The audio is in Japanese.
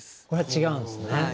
これは違うんですね。